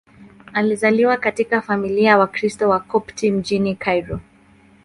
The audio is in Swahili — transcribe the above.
Alizaliwa katika familia ya Wakristo Wakopti mjini Kairo.